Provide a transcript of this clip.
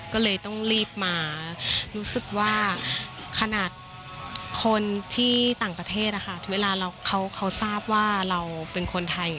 ก็เลยต้องรีบมารู้สึกว่าขนาดคนที่ต่างประเทศเวลาเขาทราบว่าเราเป็นคนไทย